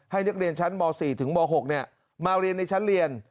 ให้นักเรียนชั้นม๔ถึงม๖มาเรียนในชั้นเรียน